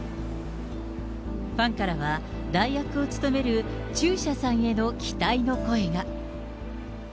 ファンからは、代役を勤める中車さんへの期待の声が。